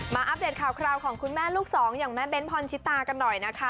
อัปเดตข่าวคราวของคุณแม่ลูกสองอย่างแม่เบ้นพรชิตากันหน่อยนะคะ